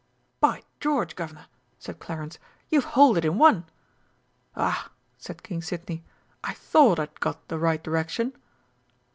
"By George, Guv'nor!" cried Clarence, "you've holed it in one!" "Ah," said King Sidney, "I thought I'd got the right direction."